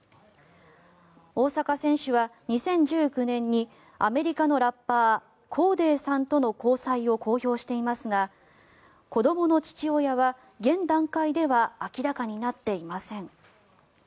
大坂選手は２０１９年にアメリカのラッパーコーデーさんとの交際を公表していますが子どもの父親は現段階では明らかになっていません。